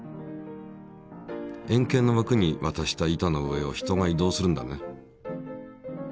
円形のわくにわたした板の上を人が移動するんだね。